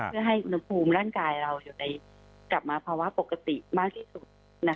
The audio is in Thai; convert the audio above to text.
คือให้อุณหภูมิกำลังกายเรากลับมาแบบปกติมากที่สุด